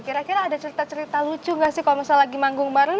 kira kira ada cerita cerita lucu gak sih kalau misalnya lagi manggung bareng